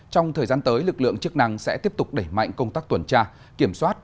trong thời gian tới lực lượng chức năng sẽ tiếp tục đẩy mạnh công tác tuần tra kiểm soát